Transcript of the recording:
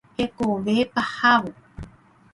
Hekove pahávo.